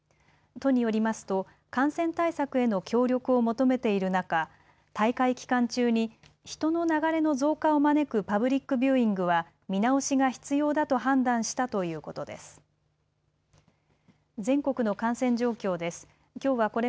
都によりますと感染対策への協力を求めている中、大会期間中に人の流れの増加を招くパブリックビューイングは見直しが必要だと判断したということです。